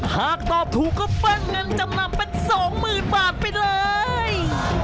หากตอบถูกก็เบิ้ลเงินจะนำเป็นสองหมื่นบาทไปเลย